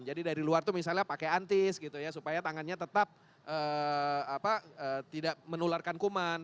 jadi dari luar itu misalnya pakai antis gitu ya supaya tangannya tetap tidak menularkan kuman